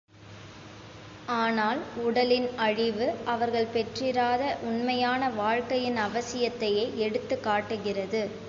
ஆனால், உடலின் அழிவு அவர்கள் பெற்றிராத உண்மையான வாழ்க்கையின் அவசியத்தையே எடுத்துக் காட்டுகிறது.